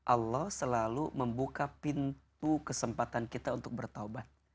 allah selalu membuka pintu kesempatan kita untuk bertaubat